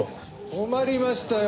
困りましたよ